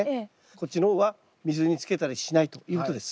こっちの方は水につけたりしないということです。